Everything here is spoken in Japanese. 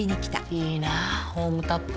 いいなホームタップ。